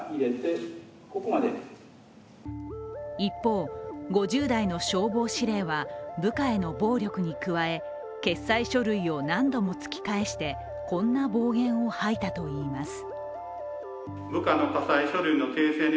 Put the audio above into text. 一方、５０代の消防司令は部下への暴力に加え決裁書類を何度も突き返してこんな暴言を吐いたといいます。